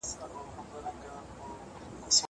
زه پرون شګه پاکوم.